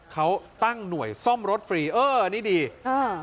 เขาตั้งหน่วยซ่อมรถฟรีเออนี่ดีเออ